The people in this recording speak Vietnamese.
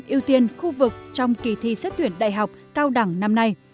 cộng điểm ưu tiên khu vực trong kỳ thi xét tuyển đại học cao đẳng năm nay